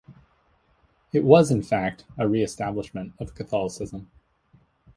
It was in fact a re-establishment of Catholicism.